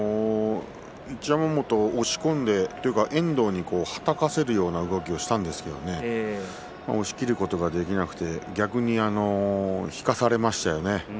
一山本を押し込んで、というか遠藤にはたかせるような動きをしたんですけど押しきることができなくて逆に引かされましたよね。